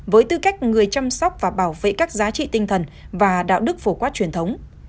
với tư cách người chăm sóc và bảo vệ các giá trị tinh thần và đạo đức phổ quát truyền thống